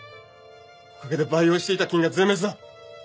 おかげで培養していた菌が全滅だ！